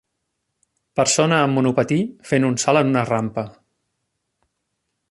persona amb monopatí fent un salt en una rampa